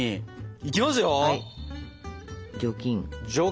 いきますよ。